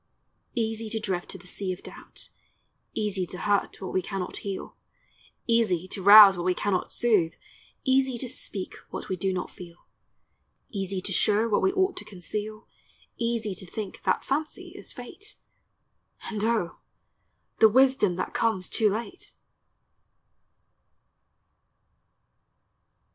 Easy to drift to the sea of doubt, Easy to hurt what we cannot heal, Easy to rouse what we cannot soothe, Easy to speak what we do not feel, Easy to show what we ought to conceal, Easy to think that fancy is fate, And O, the wisdom that comes too late!